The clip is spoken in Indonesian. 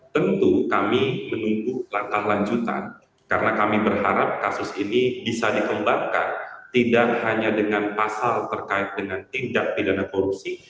tentu kami menunggu langkah lanjutan karena kami berharap kasus ini bisa dikembangkan tidak hanya dengan pasal terkait dengan tindak pidana korupsi